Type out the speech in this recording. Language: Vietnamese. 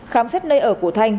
khám xét nơi ở của thanh